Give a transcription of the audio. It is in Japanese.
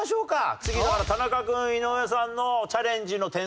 次の田中君井上さんのチャレンジの点数は。